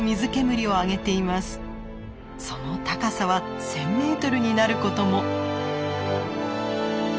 その高さは１，０００ｍになることも。